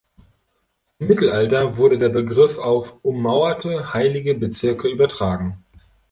Im Mittelalter wurde der Begriff auf ummauerte, heilige Bezirke übertragen.